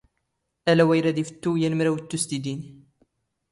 ⴰⵍⴰⵡⴰⵢ ⵔⴰⴷ ⵉⴼⵜⵜⵓ ⵢⴰⵏ ⵎⵔⴰⵡⵜ ⵜⵓⵙⴷⵉⴷⵉⵏ.